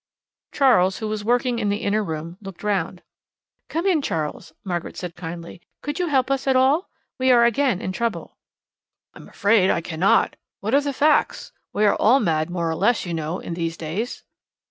Charles, who was working in the inner room, looked round. "Come in, Charles," said Margaret kindly. "Could you help us at all? We are again in trouble." "I'm afraid I cannot. What are the facts? We are all mad more or less, you know, in these days."